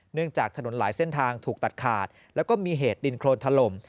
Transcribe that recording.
จากถนนหลายเส้นทางถูกตัดขาดแล้วก็มีเหตุดินโครนถล่ม